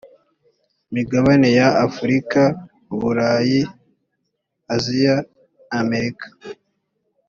migabane ya afurika uburayi aziya na amerika